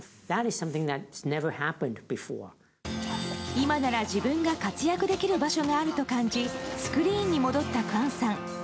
今なら自分が活躍できる場所があると感じスクリーンに戻ったクァンさん。